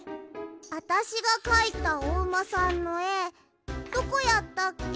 あたしがかいたおうまさんのえどこやったっけ？